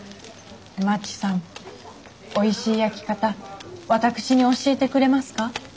まちさんおいしい焼き方私に教えてくれますか？